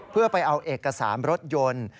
เพื่อไปเอาเอกสารรถยนต์